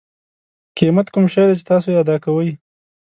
قیمت کوم شی دی چې تاسو یې ادا کوئ.